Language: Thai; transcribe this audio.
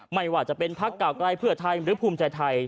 ไม่ว่าจะเป็นพักเก่าไกลเพื่อไทยหรือภูมิใจไทย